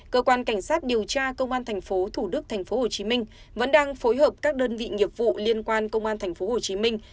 cơ quan cảnh sát điều tra công an thành phố thủ đức thành phố hồ chí minh vẫn đang phối hợp các đơn vị nghiệp vụ liên quan công an thành phố hồ chí minh